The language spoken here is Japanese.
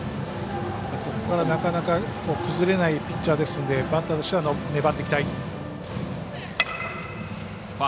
ここから、なかなか崩れないピッチャーですんでバッターとしては粘っていきたい。